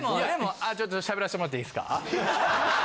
あちょしゃべらせてもらっていいですか？